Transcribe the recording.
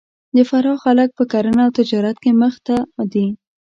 د فراه خلک په کرهنه او تجارت کې مخ ته دي